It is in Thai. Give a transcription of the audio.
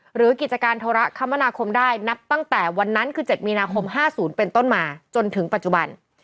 หรือกิจการโทรคมนาคมได้นับตั้งแต่วันนั้นคือ๗มีนาคม๕๐เป็นต้นมาจนถึงปัจจุบัน